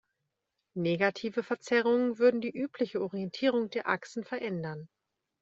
Negative Verzerrungen würden die übliche Orientierung der Achsen verändern.